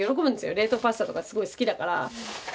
冷凍パスタとかすごい好きだから。